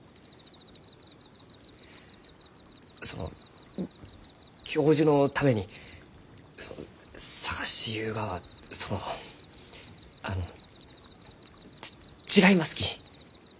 その教授のために探しゆうがはそのあの違いますき。